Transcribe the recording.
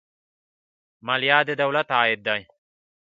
مالیه د دولت عاید دی